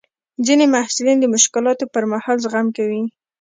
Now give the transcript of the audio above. ځینې محصلین د مشکلاتو پر مهال زغم کوي.